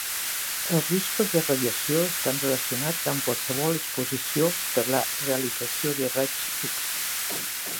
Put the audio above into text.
Els riscos de radiació estan relacionats amb qualsevol exposició per la realització de raigs X.